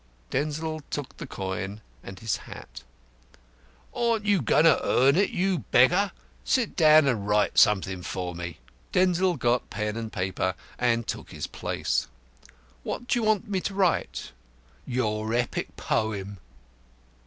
Denzil took the coin and his hat. "Aren't you going to earn it, you beggar? Sit down and write something for me." Denzil got pen and paper, and took his place. "What do you want me to write?" "Your Epic Poem."